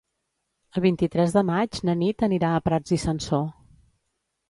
El vint-i-tres de maig na Nit anirà a Prats i Sansor.